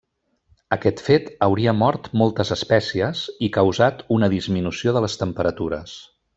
Aquest fet hauria mort moltes espècies i causat una disminució de les temperatures.